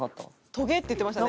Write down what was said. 「トゲ」って言ってましたね。